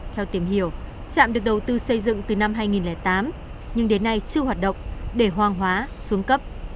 theo tìm hiểu trạm được đầu tư xây dựng từ năm hai nghìn tám nhưng đến nay chưa hoạt động để hoang hóa xuống cấp